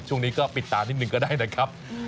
ช่วงนี้ก็ปิดตานิดหนึ่งก็ได้นะครับ